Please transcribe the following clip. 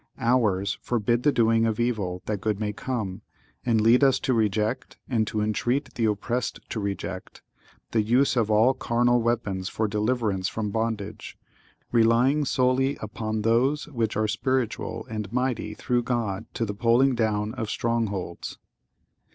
Ours forbid the doing of evil that good may come, and lead us to reject, and to entreat the oppressed to reject, the use of all carnal weapons for deliverance from bondage—relying solely upon those which are spiritual, and mighty through God to the pulling down of strong holds.